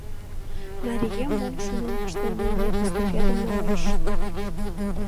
Марием мом шонен пыштен ыле — эстафетым налеш.